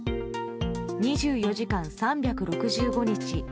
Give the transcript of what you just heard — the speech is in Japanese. ２４時間３６５日